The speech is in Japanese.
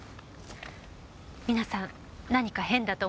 皆さん何か変だと思いませんか？